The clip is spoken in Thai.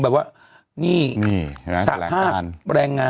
เจเรงเจเรง